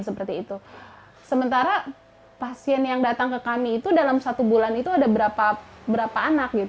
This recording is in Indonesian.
sementara pasien yang datang ke kami itu dalam satu bulan itu ada berapa anak